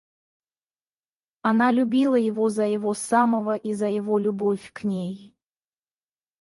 Она любила его за его самого и за его любовь к ней.